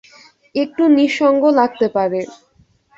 একটু নিঃসঙ্গ লাগতে পারে।